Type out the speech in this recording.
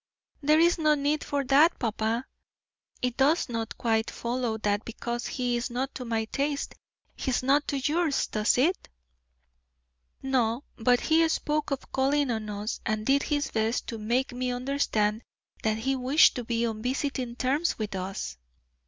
"There is no need for that, papa: it does not quite follow that because he is not to my taste, he is not to yours, does it?" "No; but he spoke of calling on us, and did his best to make me understand that he wished to be on visiting terms with us."